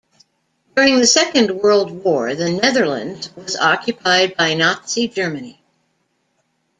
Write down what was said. During the Second World War, the Netherlands was occupied by Nazi Germany.